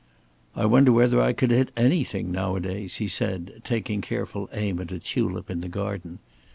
"I wonder whether I could hit anything nowadays," he said, taking careful aim at a tulip in the garden.